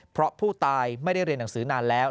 เพราะผู้ตายไม่ได้เรียนหนังสือนานแล้ว